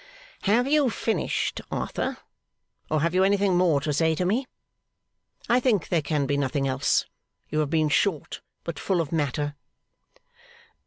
'Have you finished, Arthur, or have you anything more to say to me? I think there can be nothing else. You have been short, but full of matter!